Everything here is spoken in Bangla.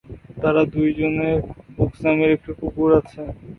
তাদের দুইজনের বুকস নামের একটি কুকুর আছে।